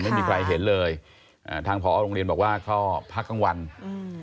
ไม่มีใครเห็นเลยอ่าทางผอโรงเรียนบอกว่าก็พักกลางวันอืม